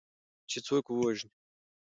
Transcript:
چې څوک ووژني